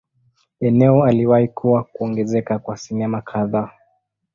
Eneo aliwahi kuwa kuongezeka kwa sinema kadhaa.